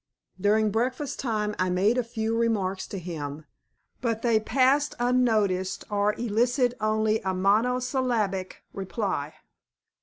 During breakfast time I made a few remarks to him, but they passed unnoticed, or elicited only a monosyllabic reply.